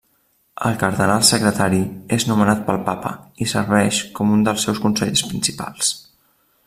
El Cardenal Secretari és nomenat pel Papa, i serveix com un dels seus consellers principals.